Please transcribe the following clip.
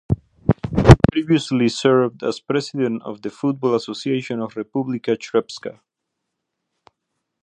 He previously served as President of the Football Association of Republika Srpska.